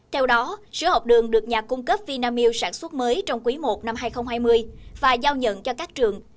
theo đó sữa học đường được nhà cung cấp vinamil sản xuất mới trong quý i năm hai nghìn hai mươi và giao nhận cho các trường